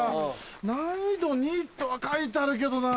難易度２とは書いてあるけどな。